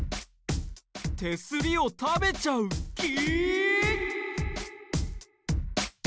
手すりを食べちゃう木？